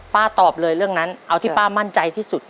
ตอบเลยเรื่องนั้นเอาที่ป้ามั่นใจที่สุด